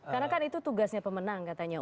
karena kan itu tugasnya pemenang katanya